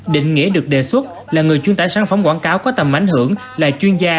định nghĩa được đề xuất là người chuyên tải sản phẩm quảng cáo có tầm ảnh hưởng là chuyên gia